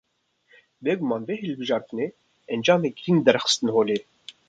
Bê guman vê hilbijartinê, encamên girîng derxist holê